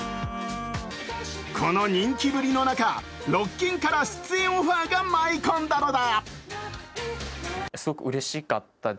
この人気ぶりの中、ロッキンから出演オファーが舞い込んだのだ。